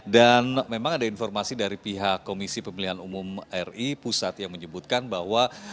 dan memang ada informasi dari pihak komisi pemilihan umum ri pusat yang menyebutkan bahwa